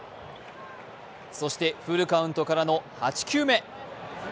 そしてフルカウントからの８球目。